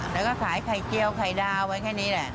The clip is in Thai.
แล้วก็ขายไข่เจียวไข่ดาวไว้แค่นี้แหละ